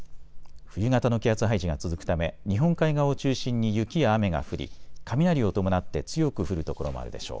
冬型の気圧配置が続くため日本海側を中心に雪や雨が降り雷を伴って強く降る所もあるでしょう。